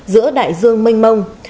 giữa đại dương mênh mông